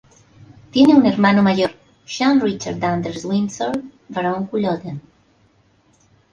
Tiene un hermano mayor: Xan Richard Anders Windsor, Barón Culloden.